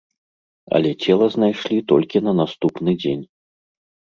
Але цела знайшлі толькі на наступны дзень.